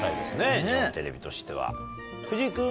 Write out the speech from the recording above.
日本テレビとしては。